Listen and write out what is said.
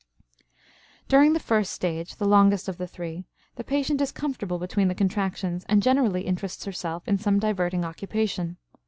During the first stage, the longest of the three, the patient is comfortable between the contractions and generally interests herself in some diverting occupation.